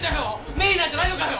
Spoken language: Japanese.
名医なんじゃないのかよ！